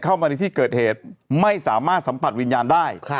เข้ามาในที่เกิดเหตุไม่สามารถสัมผัสวิญญาณได้